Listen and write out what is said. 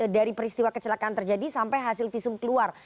dari peristiwa kecelakaan terjadi sampai hasil visum keluar